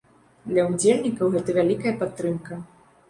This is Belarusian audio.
Для ўдзельнікаў гэта вялікая падтрымка.